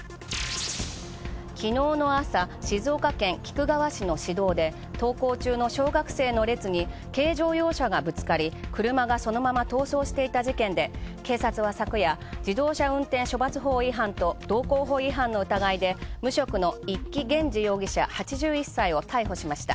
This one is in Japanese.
きのうの朝、静岡県菊川市の市道で登校中の小学生の列に軽乗用車が車がそのまま逃走していた事件で警察は昨夜自動車運転処罰法違反道交法違反の疑いで無職の一木元二容疑者８１歳を逮捕しました。